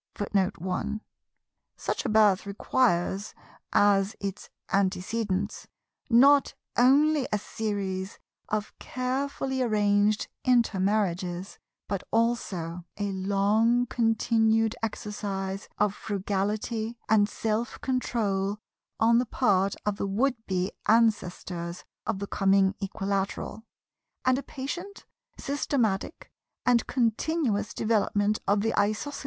Such a birth requires, as its antecedents, not only a series of carefully arranged intermarriages, but also a long continued exercise of frugality and self control on the part of the would be ancestors of the coming Equilateral, and a patient, systematic, and continuous development of the Isosceles intellect through many generations.